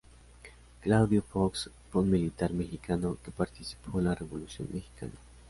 Claudio Fox fue un militar mexicano que participó en la Revolución mexicana.